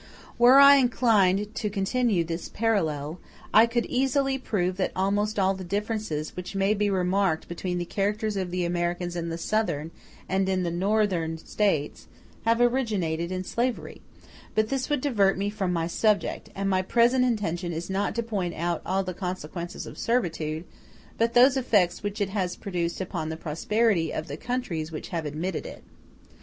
Were I inclined to continue this parallel, I could easily prove that almost all the differences which may be remarked between the characters of the Americans in the Southern and in the Northern States have originated in slavery; but this would divert me from my subject, and my present intention is not to point out all the consequences of servitude, but those effects which it has produced upon the prosperity of the countries which have admitted it.